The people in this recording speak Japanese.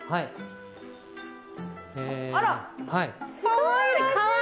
あらかわいらしい。